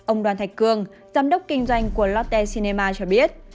ông đoàn thạch cương giám đốc kinh doanh của lotte sinama cho biết